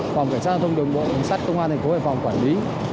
phòng cảnh sát đoàn thông đường bộ đồng sát công an thành phố hải phòng quản lý